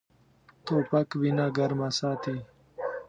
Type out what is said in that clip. توپک وینه ګرمه ساتي.